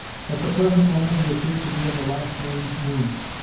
At the present moment he appeared to be in the last named mood.